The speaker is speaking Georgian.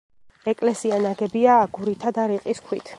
ეკლესია ნაგებია აგურითა და რიყის ქვით.